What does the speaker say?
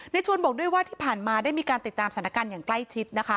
ชวนบอกด้วยว่าที่ผ่านมาได้มีการติดตามสถานการณ์อย่างใกล้ชิดนะคะ